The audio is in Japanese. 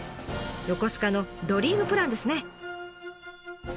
横須賀のドリームプランですね。